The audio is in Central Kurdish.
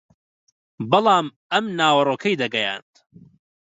بەڵام ئەم ناوەڕۆکەی دەگەیاند